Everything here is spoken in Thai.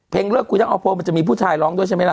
เลิกคุยทั้งออโพลมันจะมีผู้ชายร้องด้วยใช่ไหมล่ะ